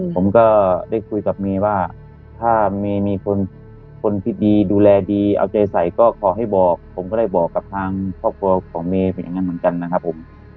ผมก็ได้คุยกับเมย์ว่าถ้าเมย์มีคนที่ดีดูแลดีเอาใจใส่ก็ขอให้บอกผมก็ได้บอกกับทางครอบครัวของเมย์เป็นอย่างนั้นเหมือนกันนะครับผม